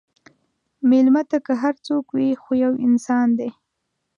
مېلمه ته که هر څوک وي، خو یو انسان دی.